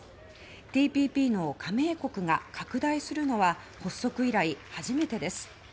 ＴＰＰの加盟国が拡大するのは発足以来初めてです。